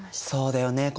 そうだよね